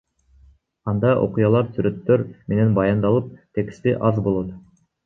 Анда окуялар сүрөттөр менен баяндалып, тексти аз болот.